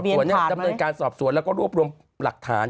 ทะเบียนผ่านไหมดำเนินการสอบสวนแล้วก็รวบรวมหลักฐาน